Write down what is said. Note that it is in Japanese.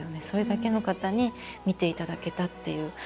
それだけの方に見ていただけたっていう。